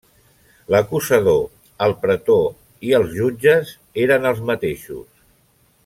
L'acusador, el pretor i els jutges eren els mateixos.